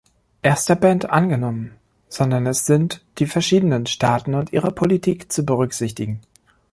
Erster Band“ angenommen, sondern es sind die verschiedenen Staaten und ihre Politik zu berücksichtigen.